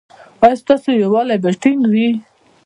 ایا ستاسو یووالي به ټینګ وي؟